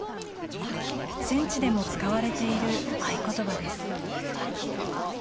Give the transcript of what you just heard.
戦地でも使われている合言葉です。